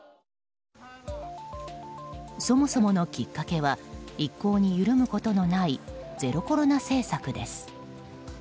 そもそものきっかけは一向に緩むことのないゼロコロナ政策です。